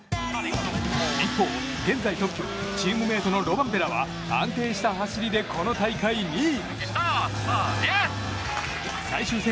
一方、現在トップチームメートのロバンペラは安定した走りで、この大会２位。